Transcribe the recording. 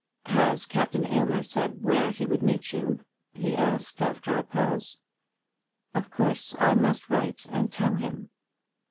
"Has Captain Aylmer said where he would meet you?" he asked after a pause. "Of course I must write and tell him."